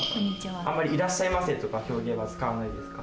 あんまり「いらっしゃいませ」とか表現は使わないですか？